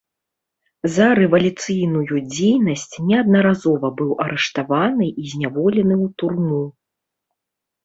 За рэвалюцыйную дзейнасць неаднаразова быў арыштаваны і зняволены ў турму.